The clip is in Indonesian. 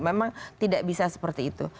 memang tidak bisa seperti itu